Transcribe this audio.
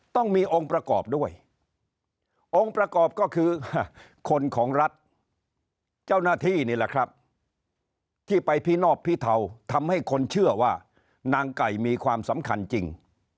ต้องมีองค์ประกอบด้วยองค์ประกอบก็คือคนของรัฐเจ้าหน้าที่นี่แหละครับที่ไปพินอบพิเทาทำให้คนเชื่อว่านางไก่มีความสำคัญจริง